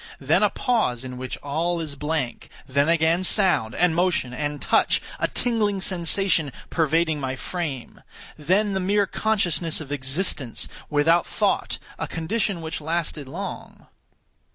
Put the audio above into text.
Then a pause in which all is blank. Then again sound, and motion, and touch—a tingling sensation pervading my frame. Then the mere consciousness of existence, without thought—a condition which lasted long.